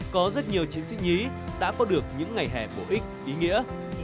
có rất nhiều chiến sĩ nhí đã có được những ngày hè bổ ích ý nghĩa